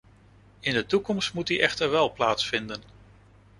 In de toekomst moet die echter wel plaatsvinden.